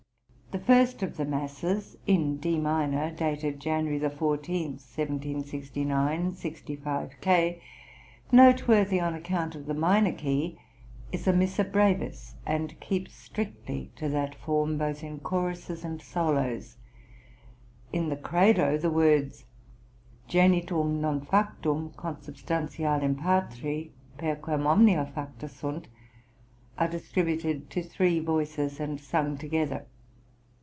The first of the masses, in D minor, dated January 14, 1769 (65 K.), noteworthy on account of the minor key, is a missa brevis, and keeps strictly to that form, both in choruses and solos; in the Credo the words "Genitum, non factum consubstantialem Patri per quem omnia facta sunt," are distributed to three voices, and sung together.